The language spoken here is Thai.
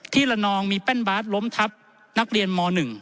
ละนองมีแป้นบาสล้มทับนักเรียนม๑